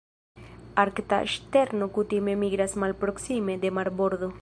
Arkta ŝterno kutime migras malproksime de marbordo.